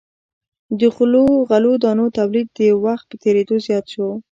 د غلو دانو تولید د وخت په تیریدو زیات شو.